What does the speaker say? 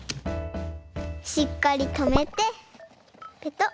しっかりとめてペトッ。